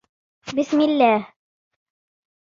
بِسْمِ اللهِ